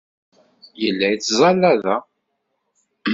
Yella yettẓalla da.